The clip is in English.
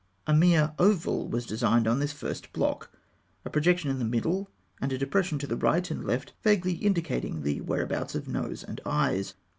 A mere oval was designed on this first block; a projection in the middle and a depression to right and left, vaguely indicating the whereabouts of nose and eyes.